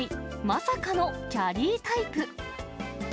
まさかのキャリータイプ。